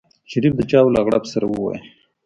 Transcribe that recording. شريف د چای له غړپ سره وويل.